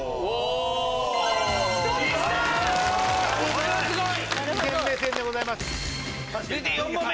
これはすごい！